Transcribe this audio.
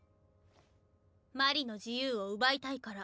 鞠莉の自由を奪いたいから。